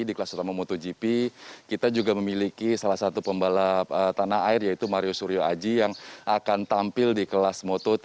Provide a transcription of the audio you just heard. di kelas utama motogp kita juga memiliki salah satu pembalap tanah air yaitu mario suryo aji yang akan tampil di kelas moto tiga